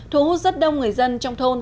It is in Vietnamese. thu hút rất đông người dân trong thôn